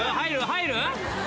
入る？